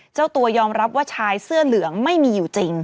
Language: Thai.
เจ้าตัวยอมรับว่าชายเสื้อเหลืองไม่มีอยู่จริง